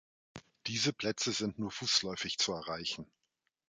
Diese Plätze sind nur fußläufig zu erreichen.